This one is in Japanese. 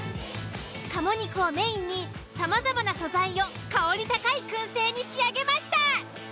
鴨肉をメインにさまざまな素材を香り高い燻製に仕上げました。